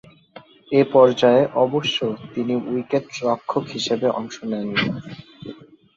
এ পর্যায়ে অবশ্য তিনি উইকেট-রক্ষক হিসেবে অংশ নেননি।